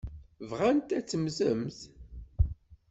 Bɣant ad temmtemt.